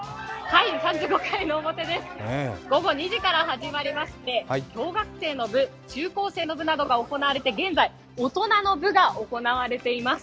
午後２時から始まりまして、小学生の部、中高生の部などが行われていて、現在、大人の部が行われています。